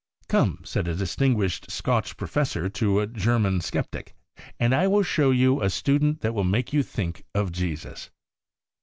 'Come,' said a distinguished Scotch pro fessor to a German sceptic, ' and I will show you a student that will make you think of Jesus.